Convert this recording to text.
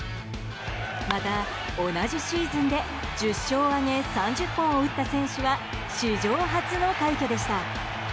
また同じシーズンで１０勝を挙げ３０本を打った選手は史上初の快挙でした。